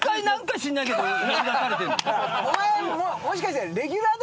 お前もしかして。